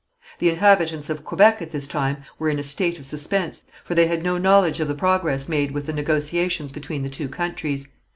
The inhabitants of Quebec at this time were in a state of suspense, for they had no knowledge of the progress made with the negotiations between the two countries.